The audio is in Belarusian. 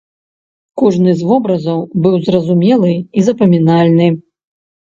Кожны з вобразаў быў зразумелы і запамінальны.